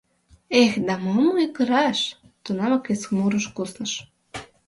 — Эх, да мом ойгыраш! — тунамак вес мурыш кусныш.